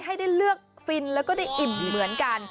ให้ได้เลือกฟินแล้วก็ได้อิ่มเหมือนกัน